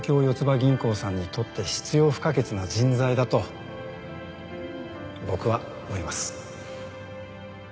銀行さんにとって必要不可欠な人材だと僕は思います。